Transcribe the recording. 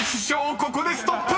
ここでストップ］